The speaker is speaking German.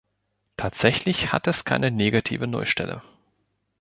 Tatsächlich hat es keine negative Nullstelle.